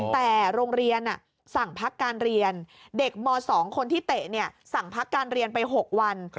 แต่โรงเรียนสั่งพักการเรียนเด็กม๒คนที่เตะสั่งพักการเรียนไป๖วัน